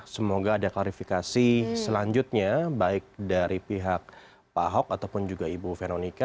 semoga ada klarifikasi selanjutnya baik dari pihak pak ahok ataupun juga ibu veronica